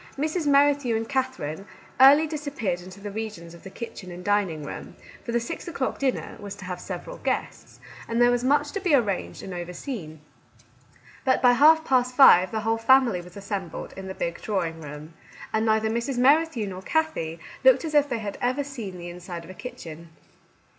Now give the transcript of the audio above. Mrs. Merri thew and Katherine early disappeared into the regions of the kitchen and dining room, for the six o'clock dinner was to have several guests, and there was much to be arranged and over seen. But by half past five the whole family Our Little Canadian Cousin 93 was assembled in the big drawing room, and neither Mrs. Merrithew nor Kathie looked as if they had ever seen the inside of a kitchen.